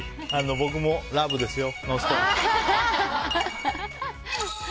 僕もラブですよ。